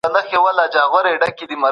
قلم تر تورې ډېر زورور دی.